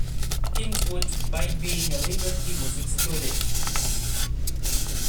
Kingswood by being a liberty was excluded.